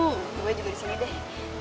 gue juga disini deh